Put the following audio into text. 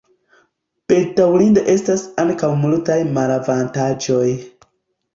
Bedaŭrinde estas ankaŭ multaj malavantaĝoj.